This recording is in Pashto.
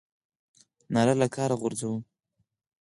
ناره له کاره غورځوو.